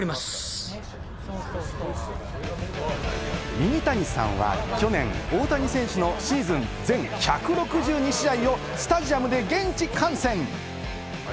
ミニタニさんは去年、大谷選手のシーズン全１６２試合をスタジアムで現地観戦。